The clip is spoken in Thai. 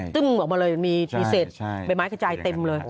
ตึ้มออกมาเลยมีทีเศษใบไม้กระจายเต็มเลย